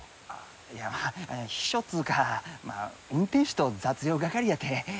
いや秘書っつうかまあ運転手と雑用係やて。